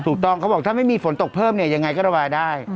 เขาบอกถ้าไม่มีฝนตกเพิ่มเนี่ยยังไงก็ระบายได้